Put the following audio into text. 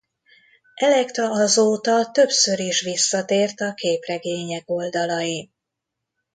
Elektra azóta többször is visszatért a képregények oldalain.